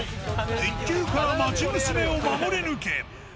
鉄球から町娘を守り抜け！